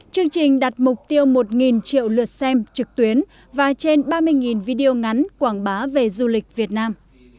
chương trình đặt mục tiêu một triệu lượt xem trực tuyến và trên ba mươi video ngắn quảng bá về du lịch việt nam